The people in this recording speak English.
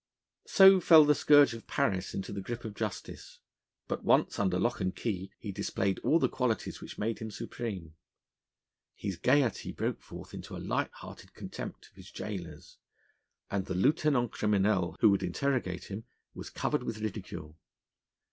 So fell the scourge of Paris into the grip of justice. But once under lock and key, he displayed all the qualities which made him supreme. His gaiety broke forth into a light hearted contempt of his gaolers, and the Lieutenant Criminel, who would interrogate him, was covered with ridicule.